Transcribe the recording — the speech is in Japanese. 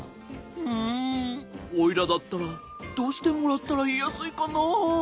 うんおいらだったらどうしてもらったらいいやすいかな。